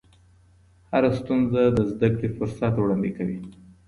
هره ستونزه د زده کړې فرصت وړاندې کوي.